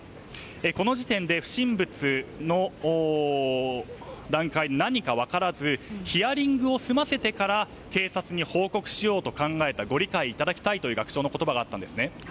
この時点で不審物の段階で何か分からずヒアリングを済ませてから警察に報告しようと考えたご理解いただきたいという学長の言葉があったんですね。